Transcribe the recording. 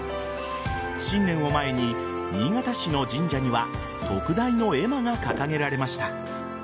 新年を前に新潟市の神社には特大の絵馬が掲げられました。